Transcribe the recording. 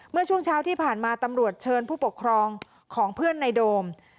เมื่อช่วงเช้าที่ผ่านมาตำรวจเชิญผู้ปกครองของเพื่อนในโดม